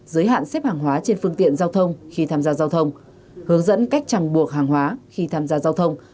giới hạn xếp hàng hóa trên phương tiện giao thông khi tham gia giao thông hướng dẫn cách chẳng buộc hàng hóa khi tham gia giao thông